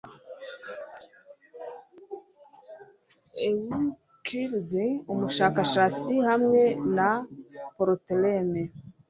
Euclid umushakashatsi hamwe na Ptolémée